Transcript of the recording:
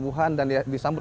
berada di satara